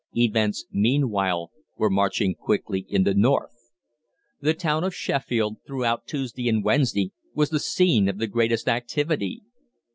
Events meanwhile were marching quickly in the North. The town of Sheffield throughout Tuesday and Wednesday was the scene of the greatest activity.